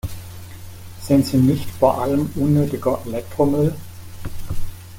Sind sie nicht vor allem unnötiger Elektromüll?